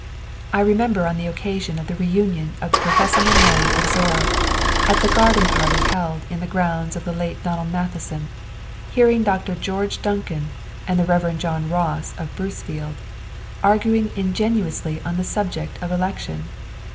"I remember on the occasion of the re union of the professional men of Zorra, at the garden party held on the grounds of the late Donald Matheson, hearing Dr. George Duncan and the Rev. John Ross, of Brucefield, arguing ingeniously on the subject of election.